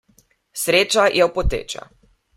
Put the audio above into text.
Sreča je opoteča.